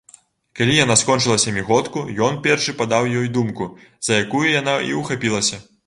Калі яна скончыла сямігодку, ён першы падаў ёй думку, за якую яна і ўхапілася.